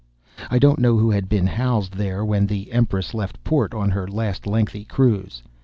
I don't know who had been housed there when the Empress left port on her last lengthy cruise.